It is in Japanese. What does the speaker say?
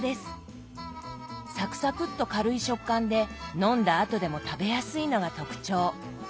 サクサクッと軽い食感で飲んだあとでも食べやすいのが特徴。